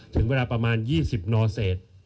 ถึงเวลาประมาณ๒๐นเศษ